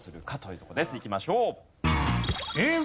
いきましょう。